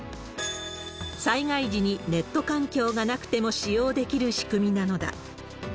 災害時にネット環境がなくても使用できる仕組みなのだ。